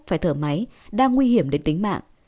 phải thở máy đang nguy hiểm đến tính mạng